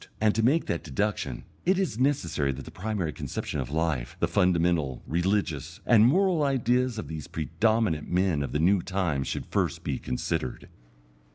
And to make that deduction, it is necessary that the primary conception of life, the fundamental, religious, and moral ideas of these predominant men of the new time should first be considered.